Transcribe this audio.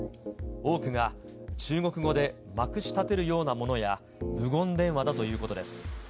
多くが中国語でまくしたてるようなものや、無言電話だということです。